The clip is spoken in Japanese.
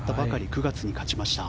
９月に勝ちました。